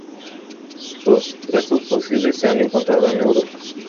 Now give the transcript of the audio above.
Sus restos fósiles se han encontrado en Europa.